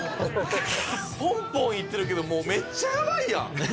ポンポンいってるけどもうめっちゃやばいやん！